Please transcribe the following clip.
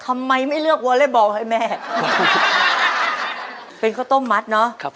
มาต่อชีวิตเป็นคนต่อไปครับ